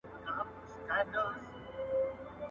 ګابرېلا او انډرو دوزونه کله پرېږدي او کله بیا پیلوي.